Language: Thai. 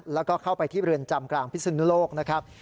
แล้วก็เข้าไปที่เรือนจำกลางพิศนุโลกนะครับ